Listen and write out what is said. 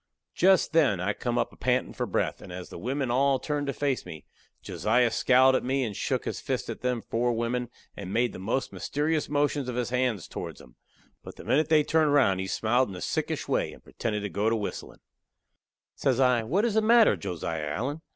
Just then I come up a pantin' for breath, and as the wimmen all turned to face me, Josiah scowled at me and shook his fist at them four wimmen, and made the most mysterious motions of his hands toward 'em. But the minute they turned round he smiled in a sickish way, and pretended to go to whistlin'. Says I, "What is the matter, Josiah Allen?